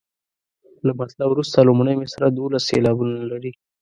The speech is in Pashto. له مطلع وروسته لومړۍ مصرع دولس سېلابونه لري.